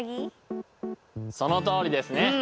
そのとおりですね。